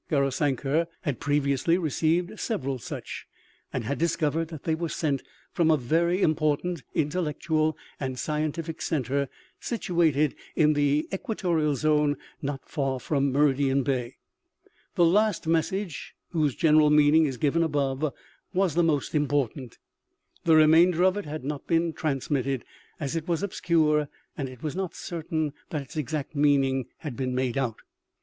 Gaurisankar had previously received several such, and had discovered that they were sent from a very im portant, intellectual and scientific center situated in the equatorial zone not far from Meridian bay. The last message, whose general meaning is given above, was the most important. The remainder of it had not been trans mitted, as it was obscure and it was not certain that its exact meaning had been made out.